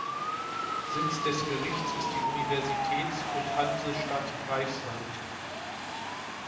Sitz des Gerichts ist die Universitäts- und Hansestadt Greifswald.